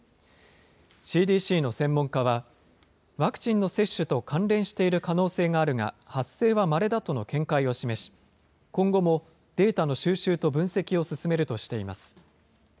ＣＤＣの専門家は、ワクチンの接種と関連している可能性があるが、発生はまれだとの見解を示し、今後もデータの収集と分析を進めるとしています。